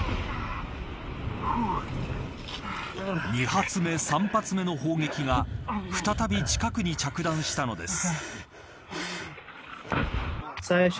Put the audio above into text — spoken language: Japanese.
２発目、３発目の砲撃が再び近くに着弾したのです。